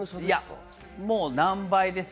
もう何倍です。